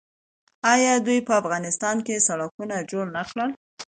آیا دوی په افغانستان کې سړکونه جوړ نه کړل؟